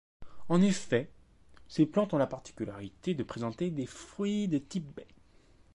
En effet, ces plantes ont la particularité de présenter des fruits de type baie.